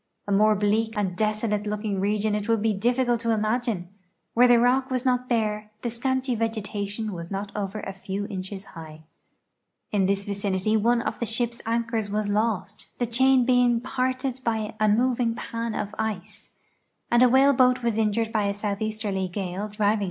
A more bleak and desolate looking region it would be difficult to imagine; where the rock "was not bare, the scanty vegetation was not over a few inches high. In A SUMMER VOYAGE TO THE ARCTIC 101 this vicinity one of tlie ship's anchors was lost, tlie cliain hoing parted l)y a movinjj; pan of ice, and awhale hoat was injured by a southeasterly gale drivin*!